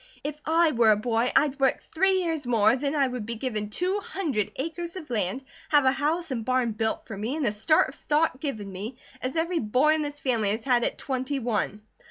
If I were a boy, I'd work three years more and then I would be given two hundred acres of land, have a house and barn built for me, and a start of stock given me, as every boy in this family has had at twenty one."